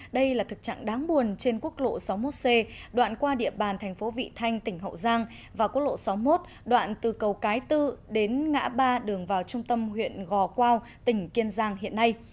đây là thực trạng đáng buồn trên quốc lộ sáu mươi một c đoạn qua địa bàn thành phố vị thanh tỉnh hậu giang và quốc lộ sáu mươi một đoạn từ cầu cái tư đến ngã ba đường vào trung tâm huyện gò quao tỉnh kiên giang hiện nay